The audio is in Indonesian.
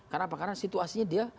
karena apa karena situasinya dia